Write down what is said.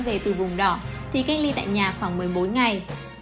về từ vùng đỏ thì cách ly tại nhà khoảng một mươi bốn ngày